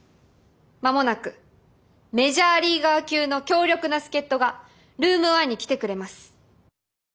間もなくメジャーリーガー級の強力な助っとがルーム１に来てくれます。